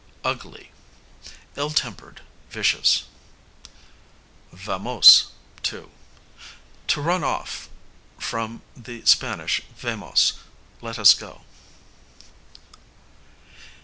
Ugly, ill tempered, vicious. Vamose, to; to run off (from the Sp. vamos, let us go).